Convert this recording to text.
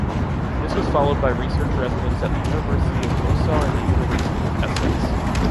This was followed by research residence at the University of Warsaw and the University of Essex.